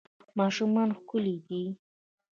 ماشومان ښکلي دي